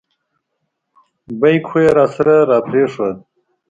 بیک خو یې راسره را پرېښود.